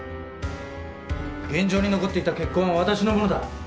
現場に残っていた血痕は私のものだ。